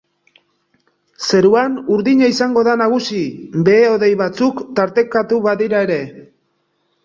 Zeruan urdina izango da nagusi, behe hodei batzuk tartekatu badira ere.